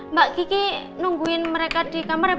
mbak kiki nungguin mereka di kamar ya